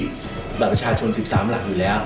บัตรประชาชน๑๓หลักอยู่แล้ว